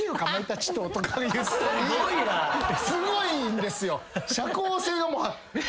すごいんですよ。